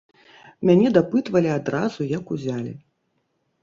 Мяне дапытвалі адразу, як узялі.